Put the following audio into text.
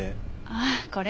ああこれ？